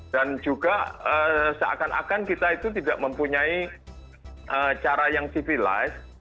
dan juga seakan akan kita itu tidak mempunyai cara yang civilized